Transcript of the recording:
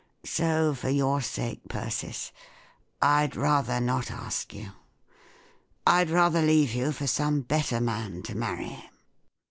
So for your sake, Persis, I'd rather not ask you; I'd rather leave you for some better man to marry."